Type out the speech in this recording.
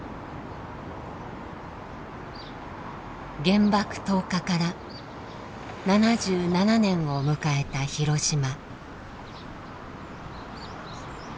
原爆投下から７７年を迎えた広島。